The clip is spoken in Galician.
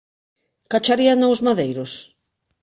Cacharíano os madeiros?